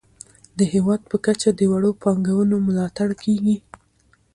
د هیواد په کچه د وړو پانګونو ملاتړ کیږي.